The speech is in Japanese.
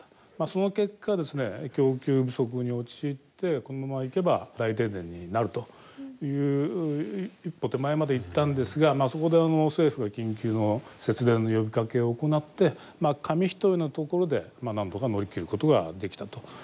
その結果ですね供給不足に陥ってこのままいけば大停電になるという一歩手前までいったんですがそこで政府が緊急の節電の呼びかけを行って紙一重のところでなんとか乗り切ることができたと。